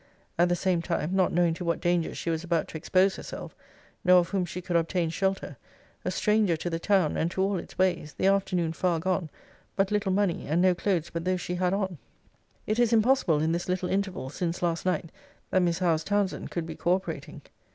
At the same time, not knowing to what dangers she was about to expose herself; nor of whom she could obtain shelter; a stranger to the town, and to all its ways; the afternoon far gone: but little money; and no clothes but those she had on! It is impossible, in this little interval since last night, that Miss Howe's Townsend could be co operating.